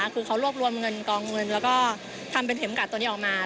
คือเขารวบรวมเงินกองเงินแล้วก็ทำเป็นเข็มกัดตัวนี้ออกมา